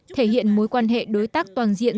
thể hiện mối quan hệ đối tác toàn diện